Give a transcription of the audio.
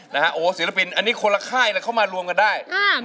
โอ้ศิลปินอันนี้คนละค่ายเลยเข้ามารวมกันได้